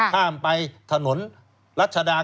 ข้ามไปถนนรัชดา